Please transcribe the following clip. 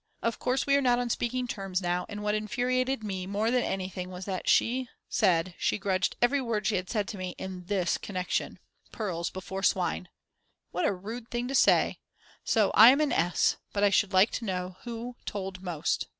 Of course we are not on speaking terms now, and what infuriated me more than anything was that she said she grudged every word she had said to me in this connection: "Pearls before Swine." What a rude thing to say. So I am an S. But I should like to know who told most.